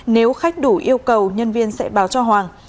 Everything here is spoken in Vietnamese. nếu khách đủ yêu cầu nhân viên sẽ báo cho hoàng